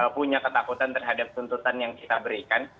punya ketakutan terhadap tuntutan yang kita berikan